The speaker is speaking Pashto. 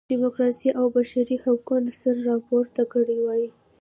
ډیموکراسۍ او بشري حقونو سر راپورته کړی وای.